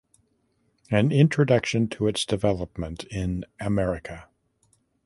An introduction to its development in America.